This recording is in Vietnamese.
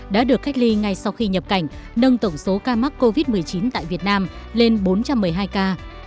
đã được cách ly ngay sau khi nhập cảnh nâng tổng số ca mắc covid một mươi chín tại việt nam lên bốn trăm một mươi hai ca